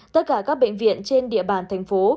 tất cả các bệnh viện trên địa bàn thành phố